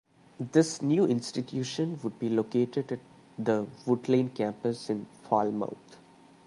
This new institution would be located at the Woodlane Campus in Falmouth.